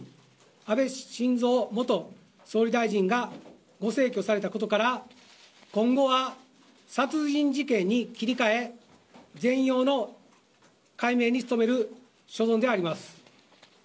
安倍晋三元総理大臣がご逝去されたことから今後は殺人事件に切り替え全容の解明に努める所存であります。